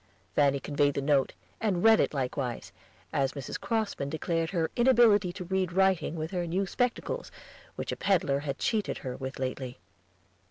Fanny conveyed the note, and read it likewise, as Mrs. Crossman declared her inability to read writing with her new spectacles, which a peddler had cheated her with lately.